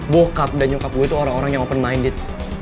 gue cup dan nyokap gue itu orang orang yang open minded